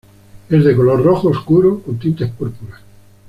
Es de color rojo oscuro, con tintes púrpuras.